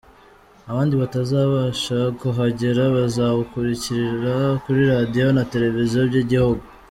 Abandi batazabasha kuhagera, bazawukurikira kuri Radio na Televiziyo by’Igihugu.